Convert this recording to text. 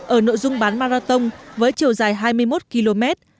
ở nội dung bán marathon với chiều dài hai mươi một km